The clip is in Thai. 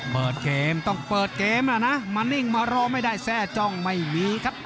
เปิดเกมต้องเปิดเกมแล้วนะมานิ่งมารอไม่ได้แทร่จ้องไม่มีครับ